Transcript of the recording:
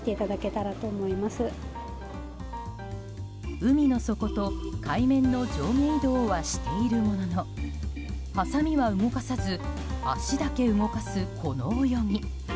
海の底と海面の上下移動はしているもののはさみは動かさず脚だけ動かすこの泳ぎ。